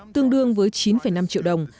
tương đương với chín năm triệu đồng